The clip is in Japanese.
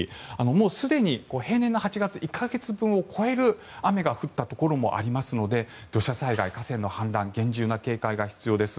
もうすでに平年の８月１か月分を超える雨が降ったところもありますので土砂災害、河川の氾濫厳重な警戒が必要です。